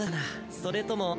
それとも。